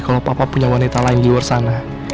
kalau papa punya wanita lain di luar sana